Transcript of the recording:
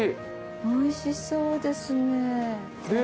おいしそうですね。